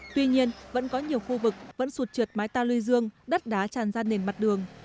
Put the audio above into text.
tuy nhiên vẫn có nhiều khu vực vẫn sụt trượt mái ta lưu dương đất đá tràn ra nền mặt đường